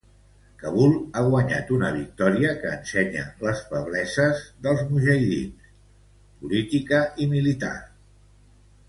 Kabul ha guanyat una victòria que ensenya les febleses dels mujahidins, política i militar.